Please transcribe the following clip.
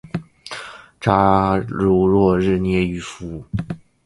扎卢日诺耶农村居民点是俄罗斯联邦沃罗涅日州利斯基区所属的一个农村居民点。